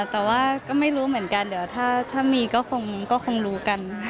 แต่ว่าก็ไม่รู้เหมือนกันเดี๋ยวถ้ามีก็คงรู้กัน